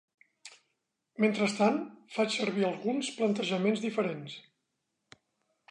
Mentrestant, faig servir alguns plantejaments diferents.